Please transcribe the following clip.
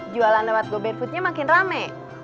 jualan lewat go bet foodnya makin rame